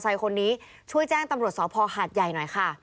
มอเตอร์ไซค์คนนี้ช่วยแจ้งตำรวจสอบพอร์หาดใหญ่หน่อยค่ะ